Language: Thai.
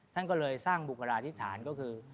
ท่านก็เลยสร้างบุคลาธิษฐานก็คือ